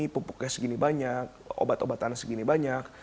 pupuknya segini banyak obat obatan segini banyak